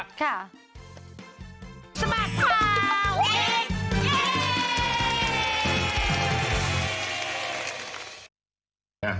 สมัครพาวเอ็กซ์เอ้ย